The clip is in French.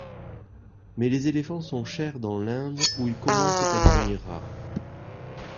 Mais les éléphants sont chers dans l’Inde, où ils commencent à devenir rares.